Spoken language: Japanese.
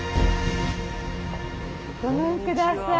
ごめんください。